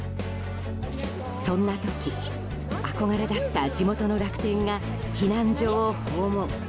そんな時憧れだった地元の楽天が避難所を訪問。